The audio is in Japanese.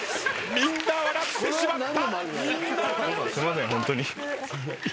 みんな笑ってしまった。